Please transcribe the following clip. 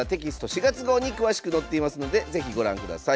４月号に詳しく載っていますので是非ご覧ください。